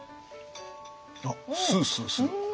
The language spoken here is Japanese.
あっスースーする。